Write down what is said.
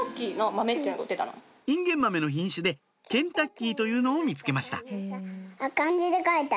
インゲンマメの品種でケンタッキーというのを見つけました